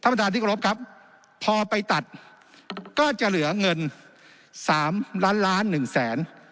ท่านประธานทิกรบครับพอไปตัดก็จะเหลือเงิน๓ล้านล้าน๑แสน